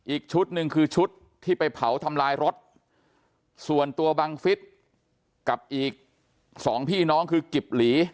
อีกชุดหนึ่งคือชุดที่ไปเผาทำลายรถส่วนตัวบังฟิศกับอีกสองพี่น้องคือกิบหลี